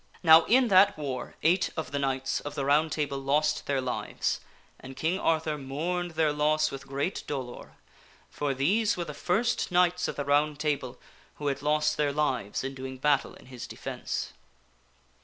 Now in that war eight of the knights of the Round Table lost their lives, and Kiag Arthur mourned their loss with great dolor ; for these were the first knights of the Round Table who had lost Table are slain their lives in doing battle in his defence.